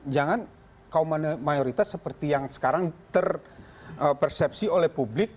jangan kaum mayoritas seperti yang sekarang terpersepsi oleh publik